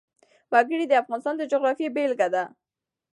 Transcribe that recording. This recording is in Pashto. وګړي د افغانستان د جغرافیې بېلګه ده.